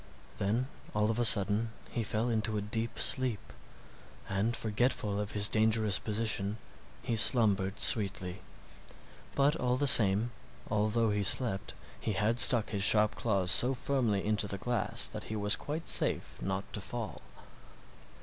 Then all of a sudden he fell into a deep sleep, and forgetful of his dangerous position he slumbered sweetly. But all the same, although he slept, he had stuck his sharp claws so firmly into the glass that he was quite safe not to fall.